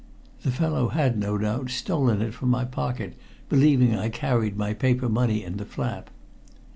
The fellow had, no doubt, stolen it from my pocket believing I carried my paper money in the flap.